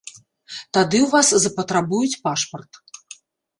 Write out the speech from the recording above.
Тады ў вас запатрабуюць пашпарт.